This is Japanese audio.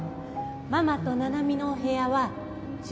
ママと七海のお部屋は１０階。